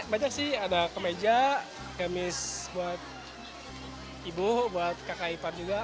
banyak sih ada kemeja kemis buat ibu buat kakak ipar juga